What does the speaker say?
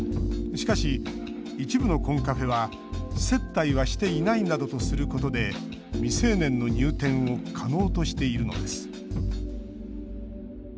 しかし、一部のコンカフェは接待はしていないなどとすることで、未成年の入店を可能としているのです。